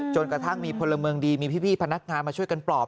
จนกระทั่งมีพลเมืองดีมีพี่พนักงานมาช่วยกันปลอบ